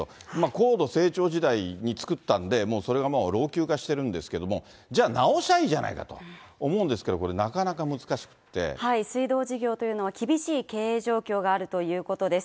高度成長時代に作ったんで、もうそれがもう老朽化してるんですけれども、じゃあ、直しゃいいじゃないかと思うんですけど、これ、なかなか難しくっ水道事業というのは、厳しい経営状況があるということです。